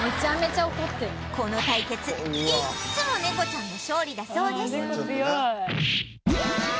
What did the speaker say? この対決いつもネコちゃんの勝利だそうです